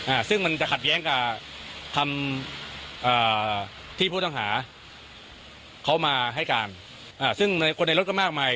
อ่าซึ่งมันจะขัดแย้งกับคำอ่าที่ผู้ต้องหาเขามาให้การอ่าซึ่งในคนในรถก็มากมาย